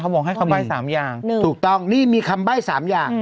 เขาบอกให้คำใบ้สามอย่างหนึ่งถูกต้องนี่มีคำใบ้สามอย่าง